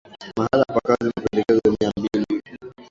mahala pa kazi mapendekezo mia mbili